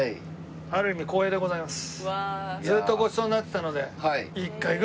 ある意味光栄でございます。